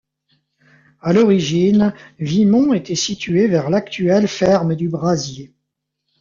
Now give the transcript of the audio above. À l’origine, Vimont était située vers l'actuelle ferme du Brasier.